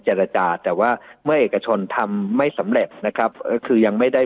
เจรจาแต่ว่าเมื่อเอกชนทำไม่สำเร็จนะครับก็คือยังไม่ได้